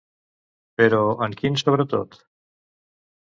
Però en quin sobretot?